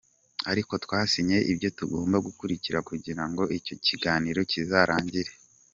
Ariko twasinye ibyo tugomba gukurikira kugira ngo icyo kiganiro kizarangire.